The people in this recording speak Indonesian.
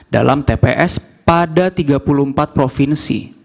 dalam tps pada tiga puluh empat provinsi